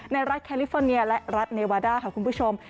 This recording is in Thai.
รัฐแคลิฟอร์เนียและรัฐเนวาด้าค่ะคุณผู้ชม